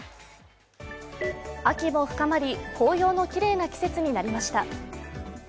秋も深まり紅葉のきれいな季節になりました。